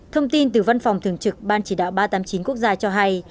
thông tin từ văn phòng thường trực ban chỉ đạo ba trăm tám mươi chín quốc gia cho hay